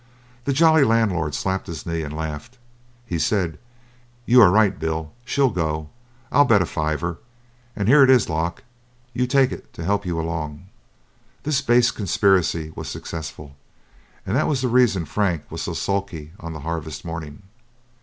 The jolly landlord slapped his knee and laughed. He said: "You are right, Bill. She'll go, I'll bet a fiver, and here it is, Lock; you take it to help you along." This base conspiracy was successful, and that was the reason Frank was so sulky on that harvest morning.